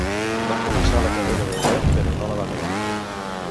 Va començar la carrera de Dret però no la va acabar.